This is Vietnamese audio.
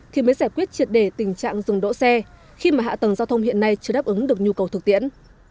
thì mới giải quyết triệt đề tình trạng dừng đỗ xe khi mà hạ tầng giao thông hiện nay chưa đáp ứng được nhu cầu thực tiễn